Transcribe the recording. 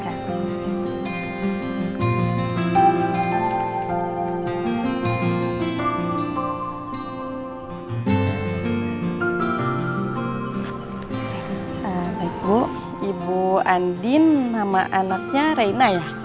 oke baik bu ibu andin nama anaknya reina ya